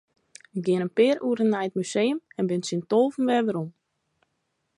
Ik gean in pear oeren nei it museum en bin tsjin tolven wer werom.